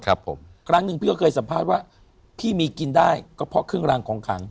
ครับผมครั้งหนึ่งพี่ก็เคยสัมภาษณ์ว่าพี่มีกินได้ก็เพราะเครื่องรางของขัง